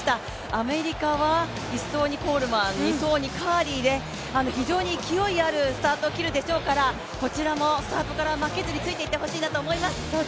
アメリカは１走にコールマン、２走にカーリーで非常に勢いあるスタートを切るでしょうから、こちらもスタートから負けずについていってほしいと思います。